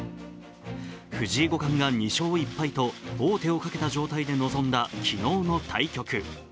藤井五冠が２勝１敗と王手をかけた状態で臨んだ昨日の対局。